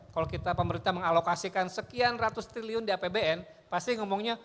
kalau kita pemerintah mengalokasikan sekian ratus triliun di apbn pasti ngomongnya